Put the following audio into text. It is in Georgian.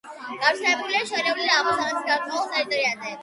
გავრცელებულია შორეული აღმოსავლეთის გარკვეულ ტერიტორიებზე.